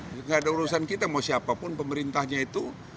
tidak ada urusan kita mau siapapun pemerintahnya itu